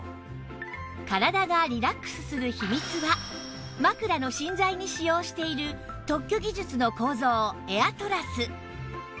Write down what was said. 体がリラックスする秘密は枕の芯材に使用している特許技術の構造エアトラス